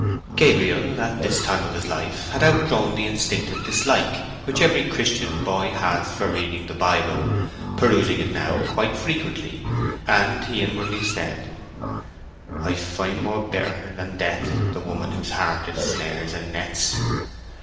Gabriel at this time of his life had out grown the instinctive dislike which every Christian boy has for reading the Bible, perusing it now quite frequently, and he inwardly said, "'I find more bitter than death the woman whose heart is snares and nets!